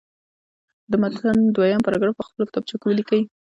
د متن دویم پاراګراف په خپلو کتابچو کې ولیکئ.